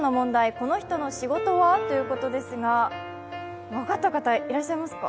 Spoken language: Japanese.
この人の仕事は？ということですが分かった方いますか？